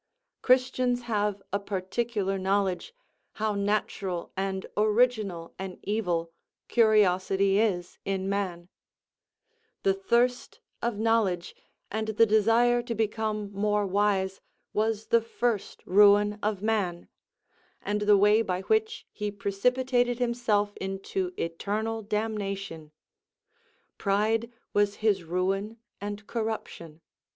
Christians have a particular knowledge, how natural and original an evil curiosity is in man; the thirst of knowledge, and the desire to become more wise, was the first ruin of man, and the way by which he precipitated himself into eternal damnation. Pride was his ruin and corruption.